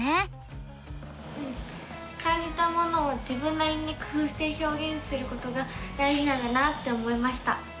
うん感じたものを自分なりに工ふうしてひょうげんすることが大じなんだなって思いました！